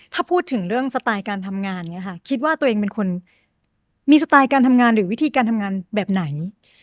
ถ้าพูดถึงเรื่องสไตล์การทำงานเนี่ยค่ะคิดว่าตัวเองเป็นคนมีสไตล์การทำงานหรือวิธีการทำงานแบบไหน